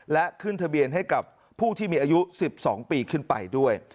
และขึ้นทะเบียนให้กับผู้ที่มีอายุ๑๒ปีขึ้นไปด้วย